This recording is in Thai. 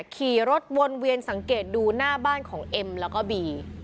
ขี่รถวนเวียนสังเกตดูหน้าบ้านของเอ็มแล้วก็บี